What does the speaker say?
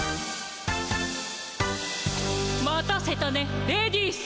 待たせたねレディース。